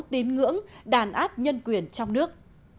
tín ngưỡng đàn áp nhân quyền trong nước